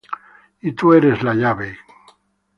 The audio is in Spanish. Y tú eres la llave.